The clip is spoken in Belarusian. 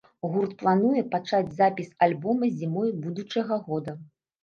Гурт плануе пачаць запіс альбома зімой будучага года.